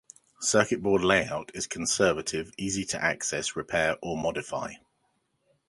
Circuit board layout is conservative, easy to access, repair or modify.